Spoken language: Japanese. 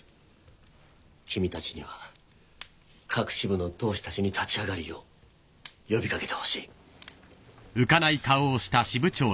君たちには各支部の同志たちに立ち上がるよう呼び掛けてほしい。